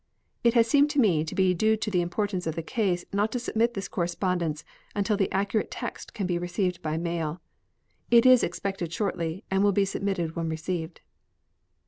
It has seemed to me to be due to the importance of the case not to submit this correspondence until the accurate text can be received by mail. It is expected shortly, and will be submitted when received.